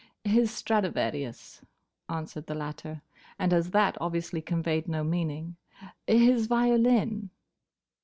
"His Stradivarius," answered the latter, and as that obviously conveyed no meaning, "his violin."